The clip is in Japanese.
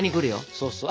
そうそう。